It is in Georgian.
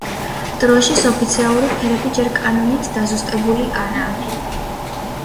დროშის ოფიციალური ფერები ჯერ კანონით დაზუსტებული არაა.